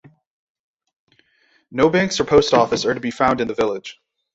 No banks or post office are to be found in the village.